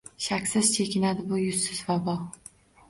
Shaksiz, chekinadi bu yuzsiz vabo: